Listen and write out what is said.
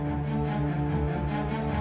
tadi kamu kesandung kan